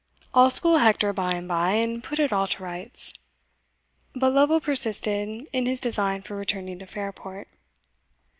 I'll school Hector by and by, and put it all to rights." But Lovel persisted in his design of returning to Fairport.